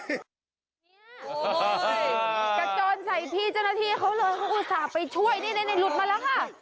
โอ้โหกระโจนใส่พี่เจ้าหน้าที่เขาเลยเขาอุตส่าห์ไปช่วยนี่หลุดมาแล้วค่ะ